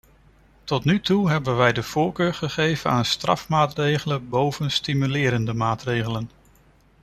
Tot nu toe hebben wij de voorkeur gegeven aan strafmaatregelen boven stimulerende maatregelen.